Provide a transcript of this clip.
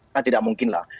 nah tidak mungkin lah